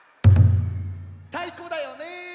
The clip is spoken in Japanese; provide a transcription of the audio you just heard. たいこだよね！